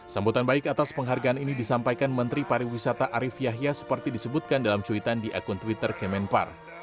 sambutan baik atas penghargaan ini disampaikan menteri pariwisata arief yahya seperti disebutkan dalam cuitan di akun twitter kemenpar